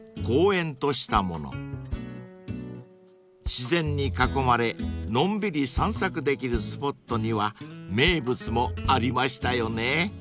［自然に囲まれのんびり散策できるスポットには名物もありましたよね］